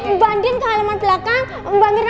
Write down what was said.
mbak andin ke halaman belakang mbak mirna ke kamar reina